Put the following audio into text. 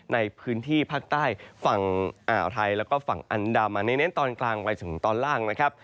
ในพื้นที่ภาคใต้ฝั่งอ่าวไทยแล้วก็ฝั่งอันดามันเน้นตอนกลางไปถึงตอนล่างนะครับ